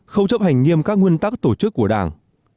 không chấp hành nghiêm các nguyên tắc tổ chức của đảng